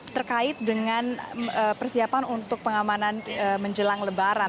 terkait dengan persiapan untuk pengamanan menjelang lebaran